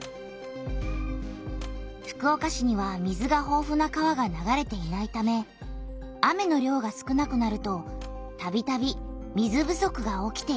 福岡市には水がほうふな川が流れていないため雨の量が少なくなるとたびたび水不足が起きていた。